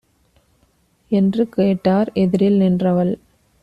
என்று கேட்டார். எதிரில் நின்றவள்